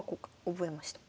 覚えました。